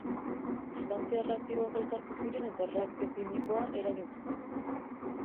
Sustantzia erreaktiboak elkartu ziren eta erreakzio kimikoa eragin zuten.